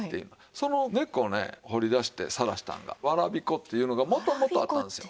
その根っこをね掘り出してさらしたんがわらび粉っていうのが元々あったんですよ。